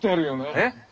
えっ。